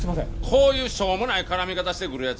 こういうしょうもない絡み方してくる奴